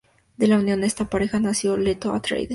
De la unión de esta pareja nació Leto Atreides.